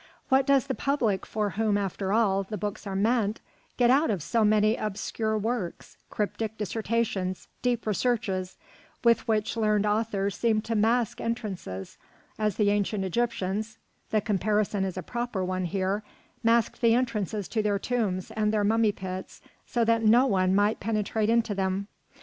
What does the public, for whom, after all, books are meant, get out of so many obscure works, cryptic dissertations, deep researches, with which learned authors seem to mask entrances, as the ancient Egyptians the comparison is a proper one here masked the entrances to their tombs and their mummy pits so that no one might penetrate into them?